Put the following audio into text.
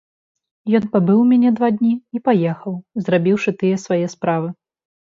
Ён пабыў у мяне два дні і паехаў, зрабіўшы тыя свае справы.